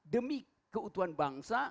demi keutuhan bangsa